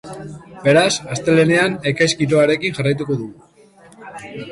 Beraz, astelehenean ekaitz-giroarekin jarraituko dugu.